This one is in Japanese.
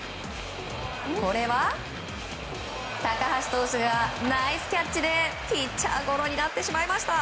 これは、高橋投手がナイスキャッチでピッチャーゴロになってしまいました。